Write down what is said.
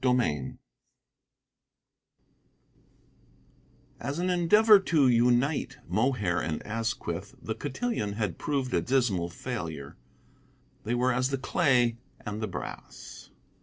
CHAPTER VI As an endeavor to unite Mohair and Asquith the cotillon had proved a dismal failure. They were as the clay and the brass.